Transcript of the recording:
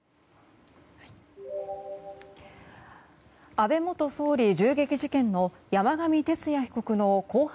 安倍元総理銃撃事件の山上徹也被告の公判